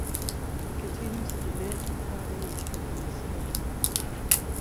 He continues a demanding travel and speaking schedule.